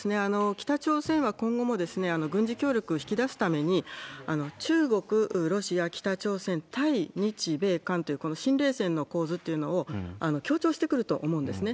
北朝鮮は今後も軍事協力を引き出すために、中国、ロシア、北朝鮮対日米韓という、この新冷戦の構図というのを強調してくると思うんですね。